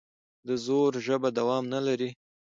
د زور ژبه دوام نه لري